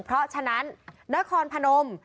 เพราะฉะนั้นนครพนม